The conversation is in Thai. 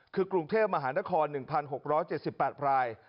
คือกรุงเทพมหานคร๑๖๗๘ราย